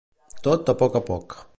Tot a poc a poc.